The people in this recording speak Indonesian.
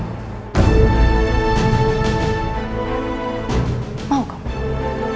yaitu menghancurkan hidup kamu